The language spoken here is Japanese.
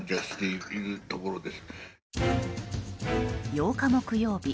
８日、木曜日。